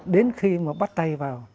đến khi mà bắt tay vào